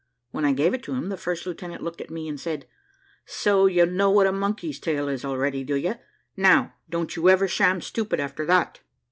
When I gave it to him, the first lieutenant looked at me, and said, "So you know what a monkey's tail is already, do you? Now don't you ever sham stupid after that."